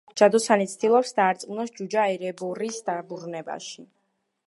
ჯადოსანი ცდილობს, დაარწმუნოს ჯუჯა ერებორის დაბრუნებაში.